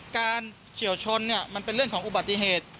เฉียวชนมันเป็นเรื่องของอุบัติเหตุ